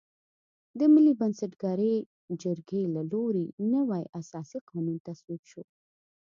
د ملي بنسټګرې جرګې له لوري نوی اساسي قانون تصویب شو.